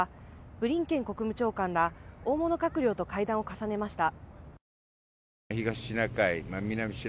ブリンケン国務長官ら大物閣僚と会談を重ねました。